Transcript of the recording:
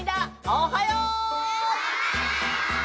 おはよう！